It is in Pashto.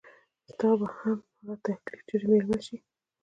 ستا به هم هغه تکليف چري ميلمه شي